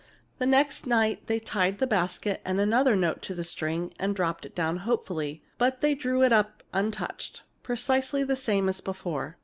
The next night they tied the basket and another note to the string and dropped it down hopefully. But they drew it up untouched, precisely the same as before.